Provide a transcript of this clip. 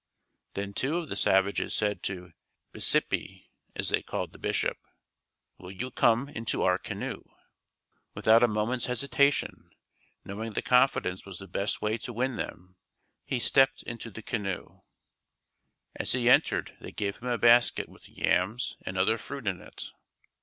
Then two of the savages said to "Bisipi," as they called the Bishop: "Will you come into our canoe?" Without a moment's hesitation, knowing that confidence was the best way to win them, he stepped into the canoe. As he entered they gave him a basket with yams and other fruit in it.